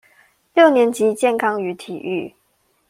六年級健康與體育